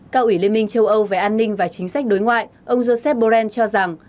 cao ủy liên minh châu âu về an ninh và chính sách đối ngoại ông joseph borrell cho rằng